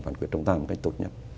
phán quyết trong tai một cách tốt nhất